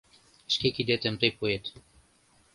Шке кидетым тый пуэт